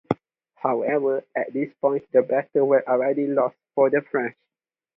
However, at this point, the battle was already lost for the French.